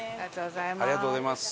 ありがとうございます。